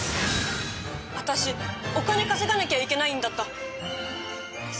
私お金稼がなきゃいけないんだった。